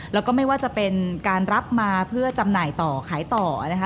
แล้วก็ไม่ว่าจะเป็นการรับมาเพื่อจำหน่ายต่อขายต่อนะคะ